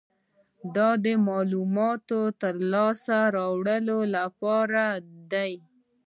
دا د معلوماتو د لاسته راوړلو لپاره دی.